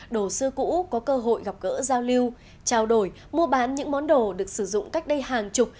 đồ xưa cũ có cơ hội gặp gỡ giao lưu trao đổi mua bán những món đồ được sử dụng cách đây hàng chục